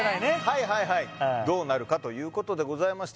はいはいはいどうなるかということでございまして